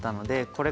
これ。